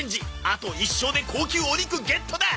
あと１勝で高級お肉ゲットだ！